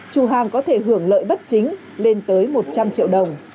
chủ hàng có thể hưởng lợi bất chính lên tới một trăm linh triệu đồng